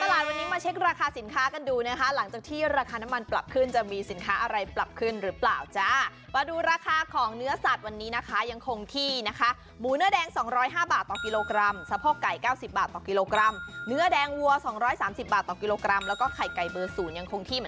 อ่ะไหนก็ไหนไปตลอดตลาดกันไหม